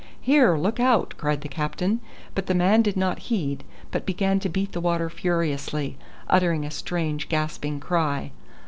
"Here, look out!" cried the captain; but the man did not heed, but began to beat the water furiously, uttering a strange gasping cry.